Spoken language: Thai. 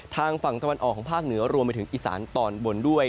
ทางฝั่งตะวันออกของภาคเหนือรวมไปถึงอีสานตอนบนด้วย